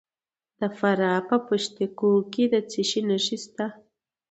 د فراه په پشت کوه کې د څه شي نښې دي؟